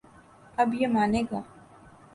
اب یہ مانے گا۔